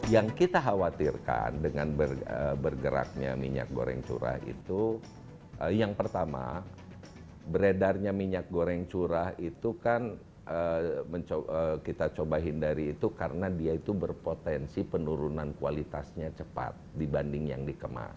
yang kita khawatirkan dengan bergeraknya minyak goreng curah itu yang pertama beredarnya minyak goreng curah itu kan kita coba hindari itu karena dia itu berpotensi penurunan kualitasnya cepat dibanding yang dikemas